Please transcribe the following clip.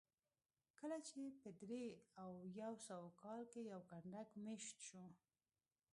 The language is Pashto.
کله چې په درې او یو سوه کال کې یو کنډک مېشت شو